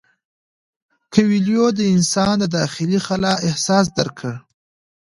کویلیو د انسان د داخلي خلا احساس درک کړ.